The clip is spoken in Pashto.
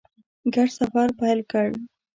ګډ سفر پیل کړ.